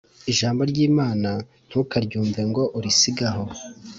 Ijambo ryimana ntukaryumve ngo urisige aho